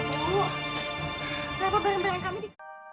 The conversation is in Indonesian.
ibu kenapa barang barang kami di